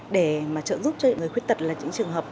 để mà trợ giúp cho những người khuyết tật là những trường hợp đặc thù